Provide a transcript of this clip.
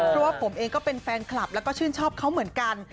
เพราะว่าผมเองก็เป็นแฟนคลับแล้วก็ชื่นชอบเขาเหมือนกัน